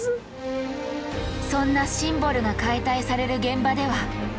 そんなシンボルが解体される現場では。